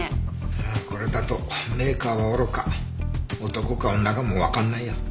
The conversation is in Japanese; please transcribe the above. これだとメーカーはおろか男か女かもわかんないよ。